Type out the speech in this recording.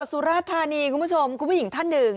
สุราชธานีคุณผู้ชมคุณผู้หญิงท่านหนึ่ง